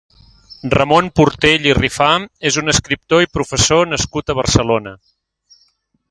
Raimon Portell i Rifà és un escriptor i professor nascut a Barcelona.